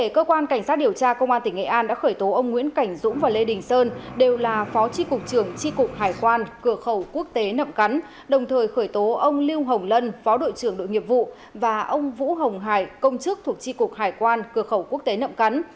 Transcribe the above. cơ quan cảnh sát điều tra công an tỉnh nghệ an đã khởi tố ông nguyễn cảnh dũng và lê đình sơn đều là phó tri cục trưởng tri cục hải quan cửa khẩu quốc tế nậm cắn đồng thời khởi tố ông lưu hồng lân phó đội trưởng đội nghiệp vụ và ông vũ hồng hải công chức thuộc tri cục hải quan cửa khẩu quốc tế nậm cắn